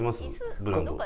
ブランド。